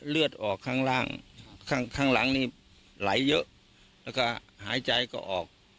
เลือดออกข้างล่างข้างข้างหลังนี่ไหลเยอะแล้วก็หายใจก็ออก